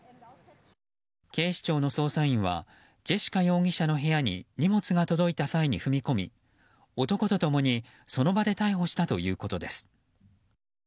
警視庁の捜査員はジェシカ容疑者の部屋に荷物が届いた際に踏み込み男と共にその場で逮捕したということです。